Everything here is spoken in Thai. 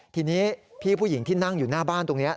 ทีนี้พี่ผู้หญิงที่นั่งอยู่หน้าบ้านตรงนี้